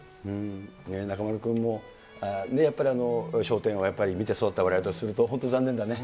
中丸君も、やっぱり笑点を見て育ったわれわれからすると、本当、残念だね。